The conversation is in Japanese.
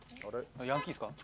ヤンキーっすか？